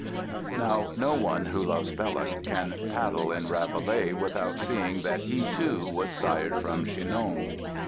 Now no one who loves Belloc can paddle in Rabelais without seeing that he, too, was sired from Chinon.